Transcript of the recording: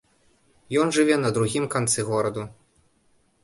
Ён жыве на другім канцы гораду.